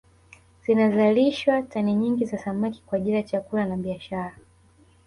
Zinazalishwa tani nyingi za samaki kwa ajili ya chakula na biashara